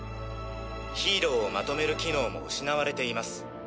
ヒーローをまとめる機能も失われています。